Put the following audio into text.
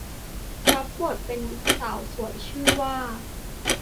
รับบทเป็นสาวสวยชื่อว่า